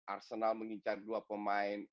arsenal mengincar dua pemain